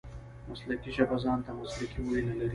مسلکي ژبه ځان ته مسلکي وییونه لري.